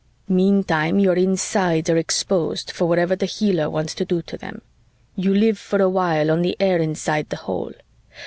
"Meantime, your insides are exposed for whatever the healer wants to do to them. You live for a while on the air inside the hole.